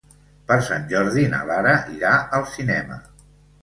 Per Sant Jordi na Lara irà al cinema.